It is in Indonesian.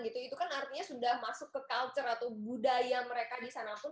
itu kan artinya sudah masuk ke culture atau budaya mereka di sana pun